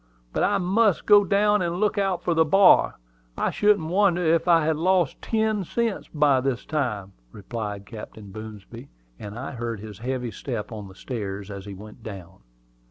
But I must go down and look out for the bar. I shouldn't wonder if I had lost ten cents by this time," replied Captain Boomsby; and I heard his heavy step on the stairs as he went down.